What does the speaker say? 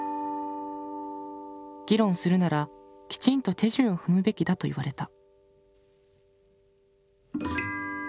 議論するならきちんと手順を踏むべきだ」と言われた。